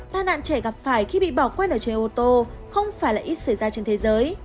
ba nạn trẻ gặp phải khi bị bỏ quên ở trên ô tô không phải là ít xảy ra trên thế giới